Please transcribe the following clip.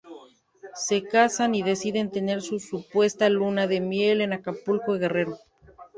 Se casan y deciden tener su supuesta luna de miel en Acapulco, Guerrero.